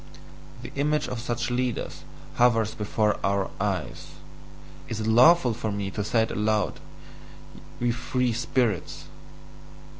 The image of such leaders hovers before OUR eyes: is it lawful for me to say it aloud, ye free spirits?